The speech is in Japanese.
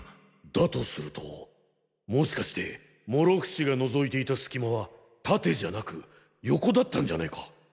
だとするともしかして諸伏が覗いていた隙間は縦じゃなく横だったんじゃねぇか？